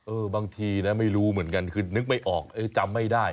บางทีนะไม่รู้เหมือนกันคือนึกไม่ออกจำไม่ได้